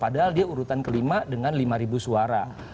padahal dia urutan kelima dengan lima suara